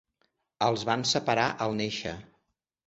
Els van separar al néixer.